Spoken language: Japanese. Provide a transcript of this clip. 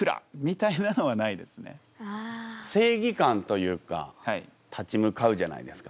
正義感というか立ち向かうじゃないですか。